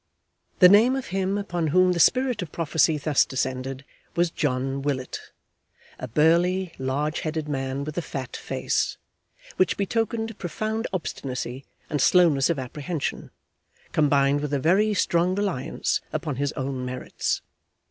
The name of him upon whom the spirit of prophecy thus descended was John Willet, a burly, large headed man with a fat face, which betokened profound obstinacy and slowness of apprehension, combined with a very strong reliance upon his own merits.